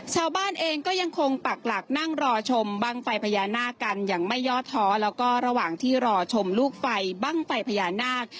ชาวบ้านเองก็ยังคงปักหลักนั่งรอชมบ้างไฟพญานาคกันอย่างไม่ยอดท้อแล้วก็ระหว่างที่รอชมลูกไฟบ้างไฟพญานาค